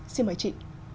xin mời chị